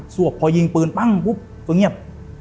วกพอยิงปืนปั้งปุ๊บก็เงียบ